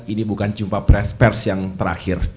ini bukan jumpa pers yang terakhir